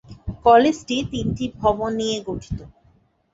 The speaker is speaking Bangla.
কলেজটি তিনটি ভবন নিয়ে গঠিত।